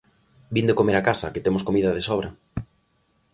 Vinde comer a casa, que temos comida de sobra.